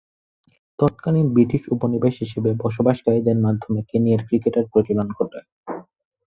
তৎকালীন ব্রিটিশ উপনিবেশ হিসেবে বসবাসকারীদের মাধ্যমে কেনিয়ায় ক্রিকেটের প্রচলন ঘটে।